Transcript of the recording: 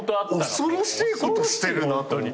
恐ろしいことしてるなと思って。